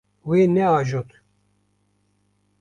Wê neajot.